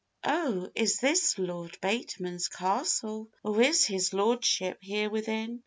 'O! is this Lord Bateman's castle? Or is his Lordship here within?